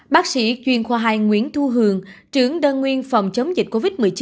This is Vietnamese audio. bác sĩ chuyên khoa hai nguyễn thu hường trưởng đơn nguyên phòng chống dịch covid một mươi chín